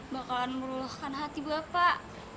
bakalan merulahkan hati bapak